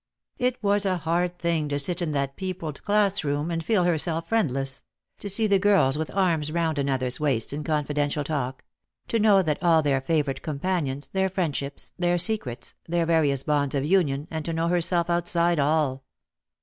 It was a hard thing to sit in that peopled class room, and feel herself friendless — to see the girls with arms round one ano ther's waists in confidential talk — to know that all had their favourite companions, their friendships, their secrets, their various bonds of union, and to know herself outside all.